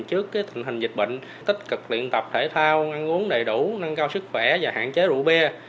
trước tình hình dịch bệnh tích cực luyện tập thể thao ngăn uống đầy đủ nâng cao sức khỏe và hạn chế rượu bia